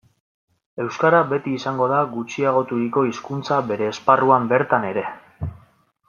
Euskara beti izango da gutxiagoturiko hizkuntza bere esparruan bertan ere.